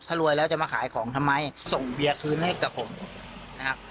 ถ้ารวยแล้วจะมาขายของทำไมส่งเบียร์คืนให้กับผมนะครับ